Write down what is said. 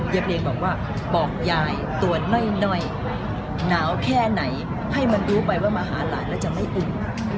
เพลงบอกว่าบอกยายตรวจหน่อยหนาวแค่ไหนให้มันรู้ไปว่ามาหาหลานแล้วจะไม่อุ้ม